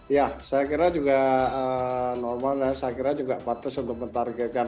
ya saya kira juga normal dan saya kira juga patus untuk mentargetkan